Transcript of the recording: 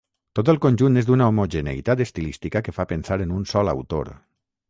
Tot el conjunt és d'una homogeneïtat estilística que fa pensar en un sol autor.